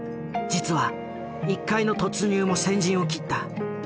実は１階の突入も先陣を切った。